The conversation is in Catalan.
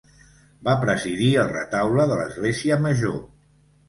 Va presidir el retaule de l'església Major.